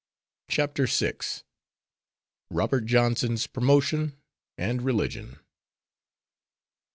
CHAPTER VI. ROBERT JOHNSON'S PROMOTION AND RELIGION.